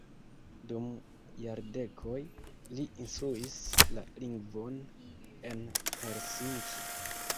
Dum jardekoj li instruis la lingvon en Helsinki.